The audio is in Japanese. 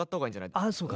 ああそうか。